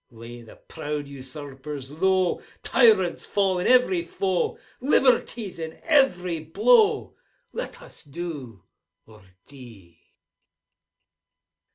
Lay the proud usurpers low! Tyrants fall in every foe! Liberty's in every blow! — Let us do, or die!